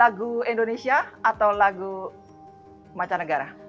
lagu indonesia atau lagu mancanegara